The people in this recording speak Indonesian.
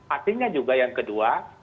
artinya juga yang kedua